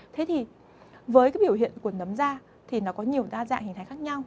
thì biểu hiện của nấm da thì nó có nhiều da dạng hình thái khác nhau